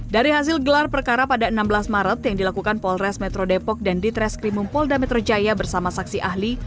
dari hasil gelar perkara pada enam belas maret yang dilakukan polres metro depok dan ditreskrimum polda metro jaya bersama saksi ahli